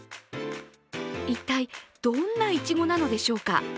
一体、どんないちごなのでしょうか。